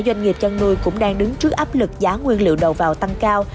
doanh nghiệp chăn nuôi cũng đang đứng trước áp lực giá nguyên liệu đầu vào tăng cao